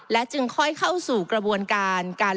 จึงค่อยเข้าสู่กระบวนการ